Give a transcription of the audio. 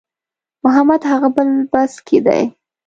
محمد هغه بل بس کې دی.